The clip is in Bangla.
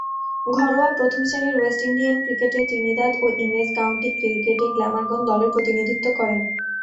ঘরোয়া প্রথম-শ্রেণীর ওয়েস্ট ইন্ডিয়ান ক্রিকেটে ত্রিনিদাদ ও ইংরেজ কাউন্টি ক্রিকেটে গ্ল্যামারগন দলের প্রতিনিধিত্ব করেন।